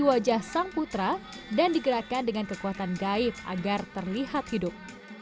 wajah sang putra dan digerakkan dengan kekuatan gaib agar terlihat hidup